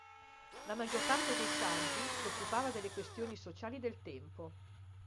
La maggior parte dei saggi si occupava delle questioni sociali del tempo.